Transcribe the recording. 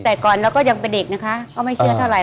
แต่ก่อนเราก็ยังเป็นเด็กนะคะก็ไม่เชื่อเท่าไห